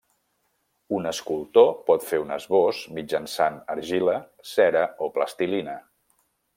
Un escultor pot fer un esbós mitjançant argila, cera o plastilina.